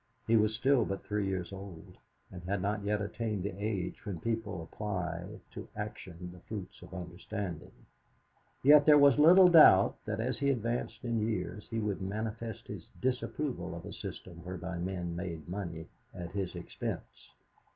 He was still but three years old, and had not yet attained the age when people apply to action the fruits of understanding; yet there was little doubt that as he advanced in years he would manifest his disapproval of a system whereby men made money at his expense.